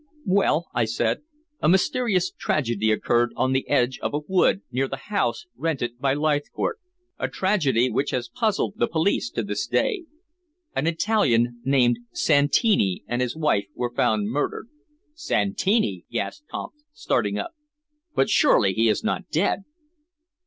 "Well," I said, "a mysterious tragedy occurred on the edge of a wood near the house rented by Leithcourt a tragedy which has puzzled the police to this day. An Italian named Santini and his wife were found murdered." "Santini!" gasped Kampf, starting up. "But surely he is not dead?"